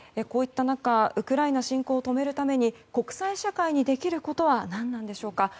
こういった中ウクライナ侵攻を止めるために国際社会にできることは何なのでしょうか。